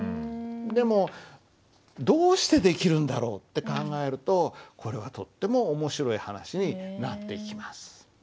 でも「どうしてできるんだろう」って考えるとこれはとっても面白い話になっていきます。